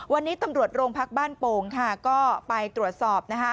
วันนี้ตำรวจโรงพักบ้านโป่งค่ะก็ไปตรวจสอบนะคะ